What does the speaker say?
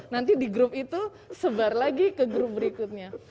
nanti di grup itu sebar lagi ke grup berikutnya